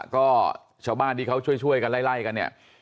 ก็ชาวบ้านที่เขาช่วยกันไล่กันเนี่ย